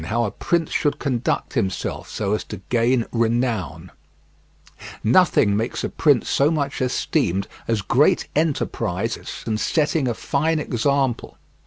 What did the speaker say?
HOW A PRINCE SHOULD CONDUCT HIMSELF SO AS TO GAIN RENOWN Nothing makes a prince so much esteemed as great enterprises and setting a fine example.